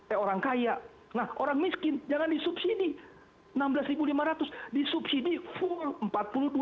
eh orang kaya nah orang miskin jangan disubsidi rp enam belas lima ratus disubsidi full rp empat puluh dua